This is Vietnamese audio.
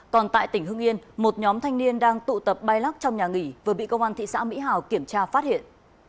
còn tại tỉnh hưng yên một nhóm thanh niên đang tụ tập bay lắc trong nhà nghỉ vừa bị công an thị xã mỹ hào kiểm tra phát hiện